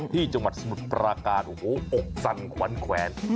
ที่จังหวัดสมุดประกาศโอ้โหออกสันขวานแขวน